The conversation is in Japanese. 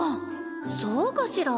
そうかしら？